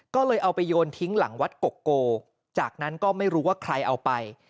ก็เลยเอาไปโยนทิ้งหลังวัดกกโกจากนั้นก็ไม่รู้ว่าใครเอาไป